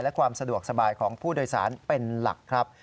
และความสะดวกสบายของผู้โดยสารเป็นหลักครับ